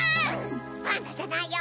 パンダじゃないよ